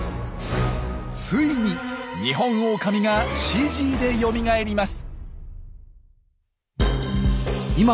ついにニホンオオカミがＣＧでよみがえります。